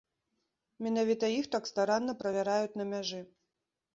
Менавіта іх так старанна правяраюць на мяжы.